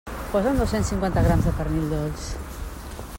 Posa'm dos-cents cinquanta grams de pernil dolç.